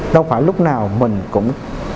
đâu phải lúc nào mình cũng